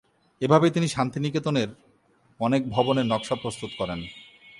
এভাবেই তিনি শান্তিনিকেতনের অনেক ভবনের নকশা প্রস্তুত করেন।